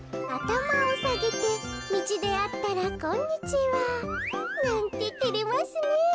「頭をさげて道で会ったらこんにちは」。なんててれますねえ。